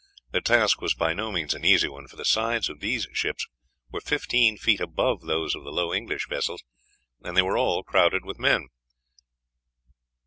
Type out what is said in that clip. Their task was by no means an easy one, for the sides of these ships were fifteen feet above those of the low English vessels, and they were all crowded with men.